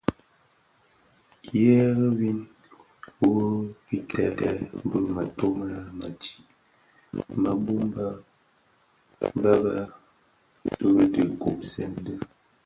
Ngheri win wuö kèbtèè bi mëto në metig më bum bèn bë bë dhi gubsèn dhi.